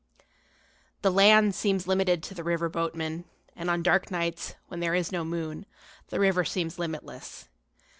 The land seems limited to the river boatman, and on dark nights, when there is no moon, the river seems limitless.